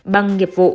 bằng nghiệp vụ